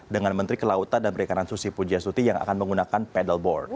dengan menteri kelautan dan perekanan susi pujiasuti yang akan menggunakan pedalboard